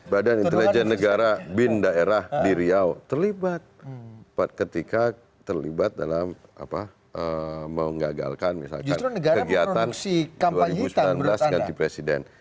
badan intelijen negara bin daerah di riau terlibat ketika terlibat dalam mengagalkan misalkan kegiatan dua ribu sembilan belas ganti presiden